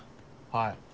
はい。